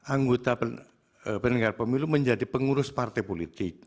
anggota penyelenggara pemilu menjadi pengurus partai politik